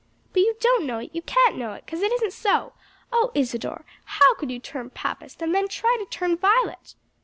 "But you don't know it! you can't know it, because it isn't so. O Isadore, how could you turn Papist and then try to turn Violet?"